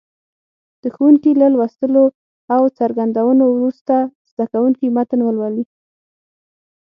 د ښوونکي له لوستلو او څرګندونو وروسته زده کوونکي متن ولولي.